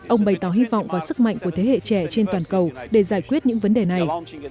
ông bày tỏ hy vọng và sức mạnh của thế hệ trẻ trên toàn cầu để giải quyết những vấn đề này